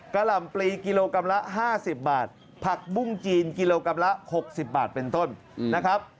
หล่ำปลีกิโลกรัมละ๕๐บาทผักบุ้งจีนกิโลกรัมละ๖๐บาทเป็นต้นนะครับ